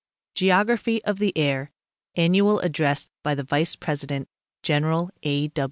GEOGRAPHY OF THE AIR ANNUAL ADDRESS BY THE VICE PRESIDENT GENERAL A.